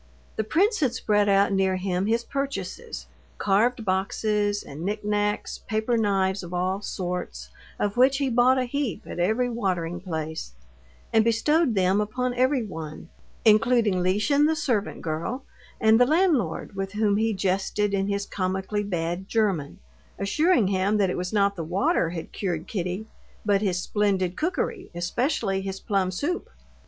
The prince had spread out near him his purchases, carved boxes, and knick knacks, paper knives of all sorts, of which he bought a heap at every watering place, and bestowed them upon everyone, including Lieschen, the servant girl, and the landlord, with whom he jested in his comically bad German, assuring him that it was not the water had cured Kitty, but his splendid cookery, especially his plum soup.